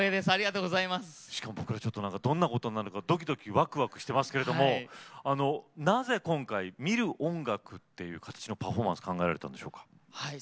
しかも、僕どんなことになるのかドキドキワクワクしてますけれども、なぜ今回見る音楽っていう形のパフォーマンス考えたんでしょうか。